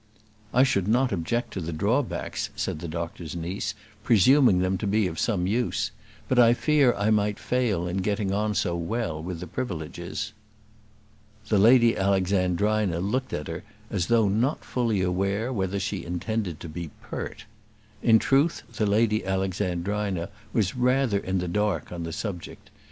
"I should not object to the drawbacks," said the doctor's niece, "presuming them to be of some use; but I fear I might fail in getting on so well with the privileges." The Lady Alexandrina looked at her as though not fully aware whether she intended to be pert. In truth, the Lady Alexandrina was rather in the dark on the subject.